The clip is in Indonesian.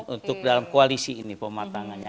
untuk dalam koalisi ini pematangannya